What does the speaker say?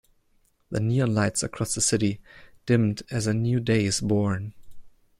The neon lights across the city dimmed as a new day is born.